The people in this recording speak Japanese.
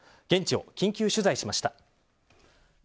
現地を緊急取材しました。